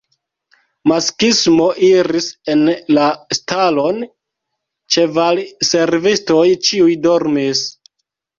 Maksimo iris en la stalon, ĉevalservistoj ĉiuj dormis.